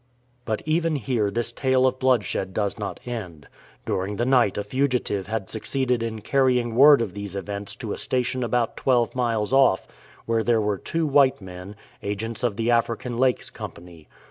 But even here this tale of bloodshed does not end. During the night a fugitive had succeeded in carrying word of these events to a station about twelve miles off, where there were two white men, agents of the African Lakes Company.